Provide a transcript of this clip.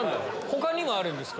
他にもあるんですか？